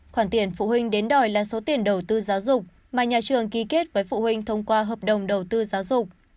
khoản tiền phụ huynh đến đòi là số tiền đầu tư giáo dục mà nhà trường ký kết với phụ huynh thông qua hợp đồng đầu tư giáo dục